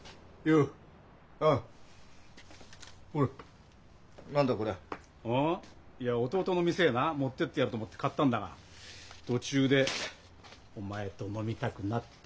うん？いや弟の店へな持ってってやろうと思って買ったんだが途中でお前と飲みたくなった。